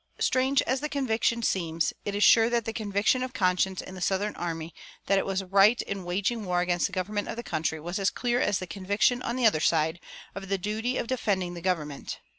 Strange as the conviction seems, it is sure that the conviction of conscience in the southern army that it was right in waging war against the government of the country was as clear as the conviction, on the other side, of the duty of defending the government.